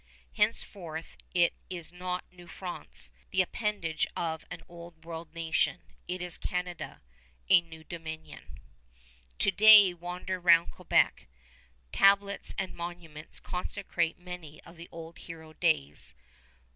Henceforth it is not New France, the appendage of an Old World nation. It is Canada, a New Dominion. To day wander round Quebec. Tablets and monuments consecrate many of the old hero days.